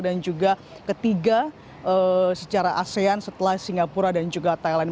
dan juga ketiga secara asean setelah singapura dan juga thailand